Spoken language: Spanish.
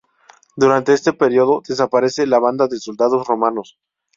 Durante este período desaparece la Banda de Soldados Romanos.